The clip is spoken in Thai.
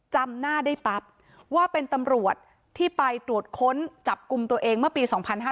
จำหน้าได้ปั๊บว่าเป็นตำรวจที่ไปตรวจค้นจับกลุ่มตัวเองเมื่อปี๒๕๕๙